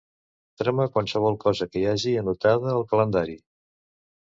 Treu-me qualsevol cosa que hi hagi anotada al calendari.